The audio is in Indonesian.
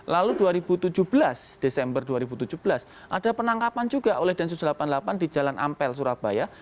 lalu dua ribu tujuh belas desember dua ribu tujuh belas ada penangkapan juga oleh densus delapan puluh delapan di jalan ampel surabaya